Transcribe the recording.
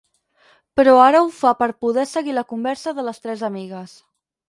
Però ara ho fa per poder seguir la conversa de les tres amigues.